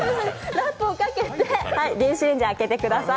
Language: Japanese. ラップをかけて電子レンジ開けてください。